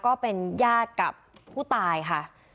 ก็เป็นญาติกับผู้ตายค่ะ